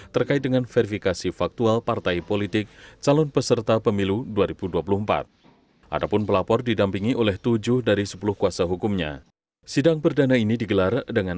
tadi seperti teman teman saksikan sendiri